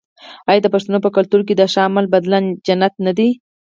آیا د پښتنو په کلتور کې د ښه عمل بدله جنت نه دی؟